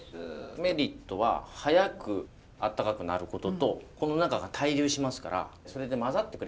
メリットは早く温かくなることとこの中が対流しますからそれで混ざってくれます。